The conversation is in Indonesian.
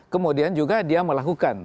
kemudian juga dia melakukan